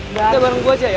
udah bareng gue aja ya